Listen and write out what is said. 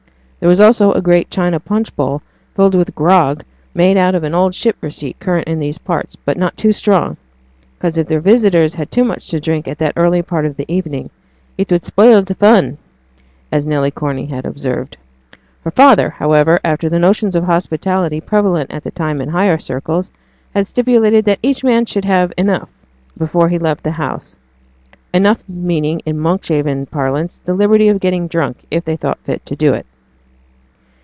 There was also a great china punch bowl filled with grog made after an old ship receipt current in these parts, but not too strong, because if their visitors had too much to drink at that early part of the evening 'it would spoil t' fun,' as Nelly Corney had observed. Her father, however, after the notions of hospitality prevalent at that time in higher circles, had stipulated that each man should have 'enough' before he left the house; enough meaning in Monkshaven parlance the liberty of getting drunk, if they thought fit to do it.